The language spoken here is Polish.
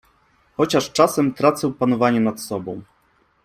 chociaż czasem tracę panowanie nad sobą.